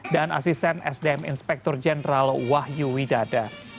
dan asisten sdm inspektor jenderal wahyu widada